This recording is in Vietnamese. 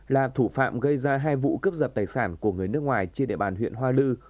là thủ phạm gây ra hai vụ cướp giật tài sản của người nước ngoài trên địa bàn huyện hoa lư